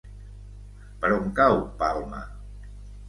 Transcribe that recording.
Per on cau Palma?